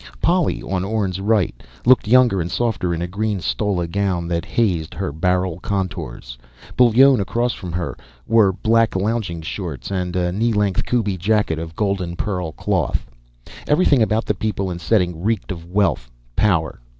Polly, on Orne's right, looked younger and softer in a green stola gown that hazed her barrel contours. Bullone, across from her, wore black lounging shorts and knee length kubi jacket of golden pearl cloth. Everything about the people and setting reeked of wealth, power.